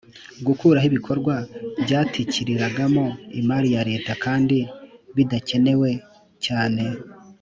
gukuraho ibikorwa byatikiriragamo imari ya Leta kandi bidakenewe cyane